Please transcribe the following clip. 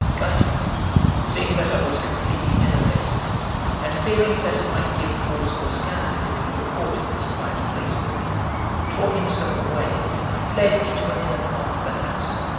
(Giton, seeing that I was completely enervated, and) fearing that it might give cause for scandal if he were caught in this quiet place with me, tore himself away and fled into an inner part of the house.